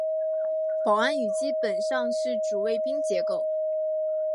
保安语基本上是主宾谓结构。